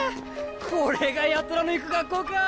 これが八虎の行く学校か。